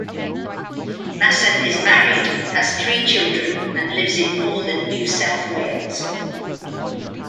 Masson is married, has three children and lives in northern New South Wales.